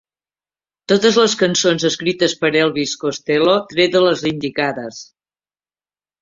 Totes les cançons escrites per Elvis Costello tret de les indicades.